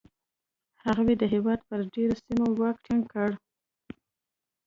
هغوی د هېواد پر ډېری سیمو واک ټینګ کړ